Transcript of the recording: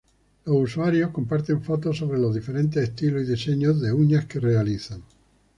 Los usuarios comparten fotos sobre los diferentes estilos y diseños de uñas que realizan.